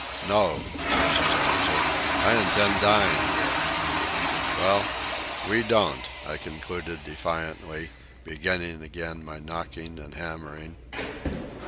"No," was his answer. "I intend dying here." "Well, we don't," I concluded defiantly, beginning again my knocking and hammering.